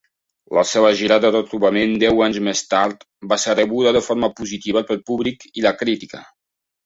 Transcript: La seva gira de retrobament deu anys més tard va ser rebuda de forma positiva pel públic i la crítica.